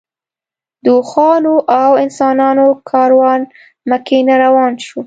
د اوښانو او انسانانو کاروان مکې نه روان شو.